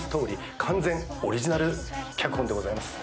完全オリジナル脚本でございます。